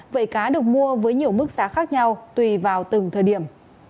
vậy cá được mua với nhiều mức giá khác nhau tùy vào từng thời điểm